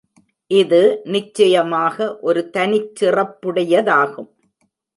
இது நிச்சயமாக ஒரு தனிச் சிறப்புடையதாகும்.